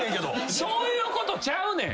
そういうことちゃうねん！